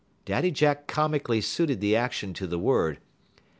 Daddy Jack comically suited the action to the word.